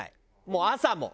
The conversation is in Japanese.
もう朝も。